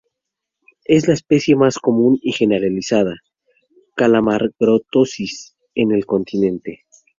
Es la especie más común y generalizada "Calamagrostis" en el continente.